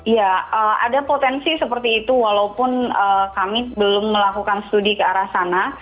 ya ada potensi seperti itu walaupun kami belum melakukan studi ke arah sana